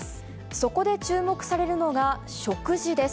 そこで注目されるのが、食事です。